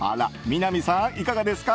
南さん、いかがですか？